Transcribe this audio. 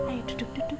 ayo duduk duduk